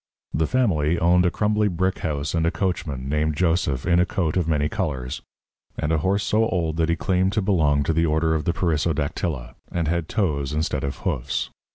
The family owned a crumbly brick house and a coachman named Joseph in a coat of many colours, and a horse so old that he claimed to belong to the order of the Perissodactyla, and had toes instead of hoofs.